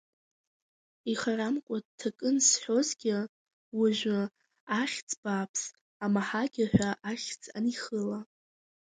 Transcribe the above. Ихарамкәа дҭакын зҳәозгьы, уажәы, ахьӡ бааԥс, амаҳагьа ҳәа ахьӡ анихыла…